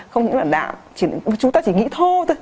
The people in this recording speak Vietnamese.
không những là đạm chúng ta chỉ nghĩ thôi thôi